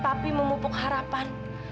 papi memupuk harapan